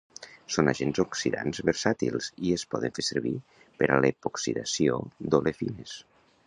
Són agents oxidants versàtils i es poden fer servir per a l'epoxidació d'olefines.